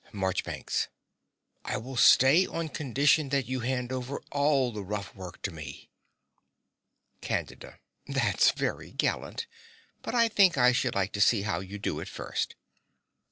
MARCHBANKS. I will stay on condition that you hand over all the rough work to me. CANDIDA. That's very gallant; but I think I should like to see how you do it first.